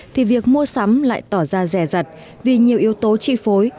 thì việc mua sắm lại tỏ ra rẻ rặt vì nhiều yếu tố trị phối